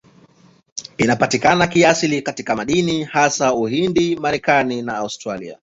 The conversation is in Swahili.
Inapatikana kiasili katika madini, hasa Uhindi, Marekani na Australia.